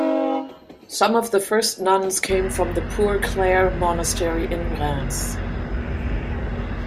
Some of the first nuns came from the Poor Clare monastery in Reims.